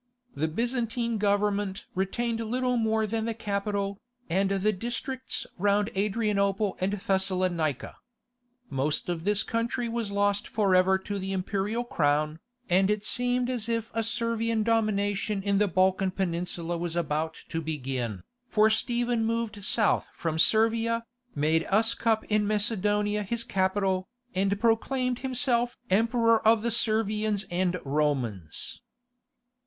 The Byzantine government retained little more than the capital, and the districts round Adrianople and Thessalonica. Most of this country was lost for ever to the imperial crown, and it seemed as if a Servian domination in the Balkan Peninsula was about to begin, for Stephen moved south from Servia, made Uscup in Macedonia his capital, and proclaimed himself "Emperor of the Servians and Romans."